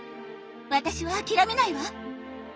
私は諦めないわ！